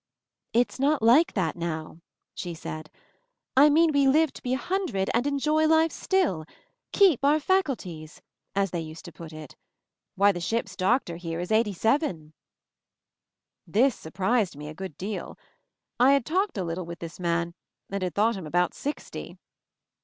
"It's not like that now," she said. "I mean we live to be a hundred and enjoy life still — 'keep our faculties,' as they used to put it. Why, the ship's doctor here is eighty seven." This surprised me a good deal. I had talked a little with this man, and had thought him about sixty.